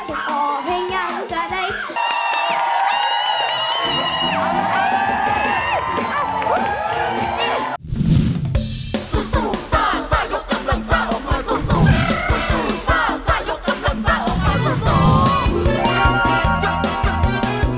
โอ๊ยแท้